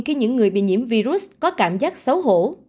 khi những người bị nhiễm virus có cảm giác xấu hổ